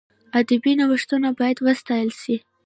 ادبي نوښتونه باید وستایل سي.